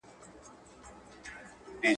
دا خرقه مي د عزت او دولت دام دی `